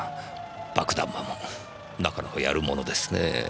爆弾魔もなかなかやるものですねぇ。